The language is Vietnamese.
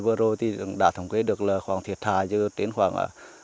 vừa rồi đã thống kê được khoảng thiệt thà chứa đến khoảng bảy mươi